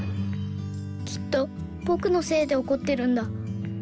きっとぼくのせいでおこってるんだ。